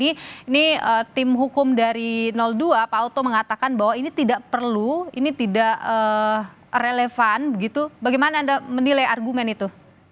ini tim hukum dari dua pak oto mengatakan bahwa ini tidak perlu ini tidak relevan begitu bagaimana anda menilai argumen itu